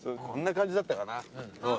こんな感じだったかな。